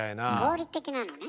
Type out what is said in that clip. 合理的なのね？